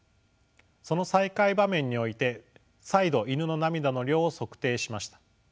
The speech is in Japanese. その再会場面において再度イヌの涙の量を測定しました。